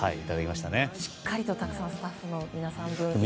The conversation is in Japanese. しっかりと、たくさんスタッフの皆さん分いただいて。